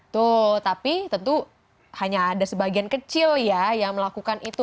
tuh tapi tentu hanya ada sebagian kecil ya yang melakukan itu